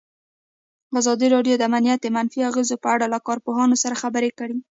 ازادي راډیو د امنیت د منفي اغېزو په اړه له کارپوهانو سره خبرې کړي.